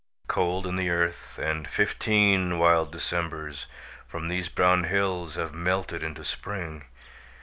Cold in the earth, and fifteen wild Decembers From these brown hills have melted into Spring.